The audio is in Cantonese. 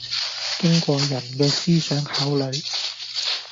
經過人嘅思想考慮